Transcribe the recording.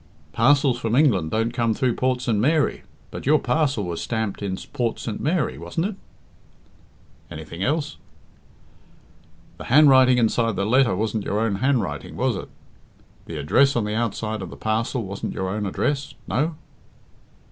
"Parcels from England don't come through Port St. Mary, but your parcel was stamped in Port St. Mary, wasn't it?" "Anything else?" "The handwriting inside the letter wasn't your own handwriting, was it? The address on the outside of the parcel wasn't your own address no?"